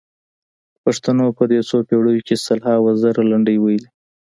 پښتنو په دې څو پېړیو کې سلهاوو زره لنډۍ ویلي.